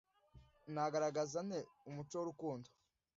nagaragaza nte umuco w urukundo